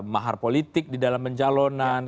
mahal politik di dalam menjalonan